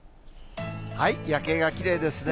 夜景がきれいですね。